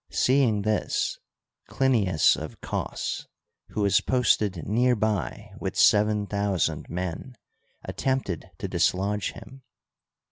Seeing this, Clinias of Cos, who was posted near by with seven thousand men, at tempted to dislodge him.